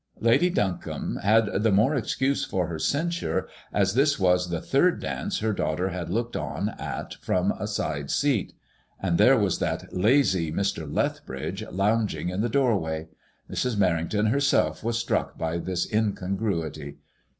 Lady Duncombe had the more excuse for her cen sure, as this was the third dance her daughter had looked on at IIADXMOISBLLB IXX. 14} from a side seat; and there was that lazy Mr. Lethbridge lounging in the doorway. Mrs. Merrington herself was struck by this incongruity.